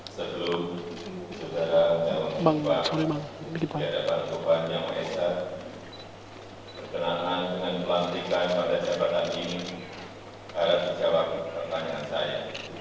sebelum saudara yang mengubah keadaan pembahasannya perkenaan dengan pelantikan pada jabatan ini harus dijawab pertanyaan saya